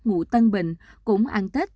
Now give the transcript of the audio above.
ngụ tân bình cũng ăn tết